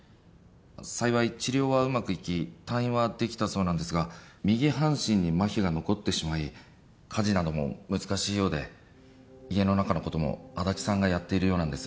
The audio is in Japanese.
幸い治療はうまくいき退院はできたそうなんですが右半身に麻痺が残ってしまい家事なども難しいようで家の中の事も足立さんがやっているようなんです。